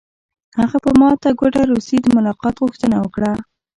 هغه په ماته ګوډه روسي د ملاقات غوښتنه وکړه